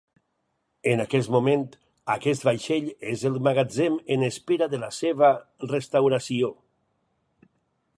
En aquest moment, aquest vaixell es al magatzem en espera de la seva restauració.